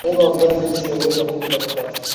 unga wa viazi lishe huweza kupikwa chapati